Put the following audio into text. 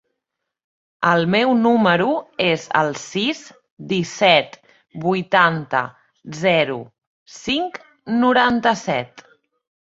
El meu número es el sis, disset, vuitanta, zero, cinc, noranta-set.